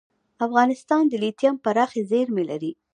افغانستان د لیتیم پراخې زیرمې لري.